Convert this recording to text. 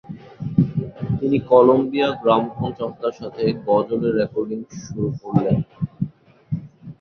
তিনি Columbia gramophone সংস্থার সাথে গজলের রেকর্ডিং শুরু করলেন।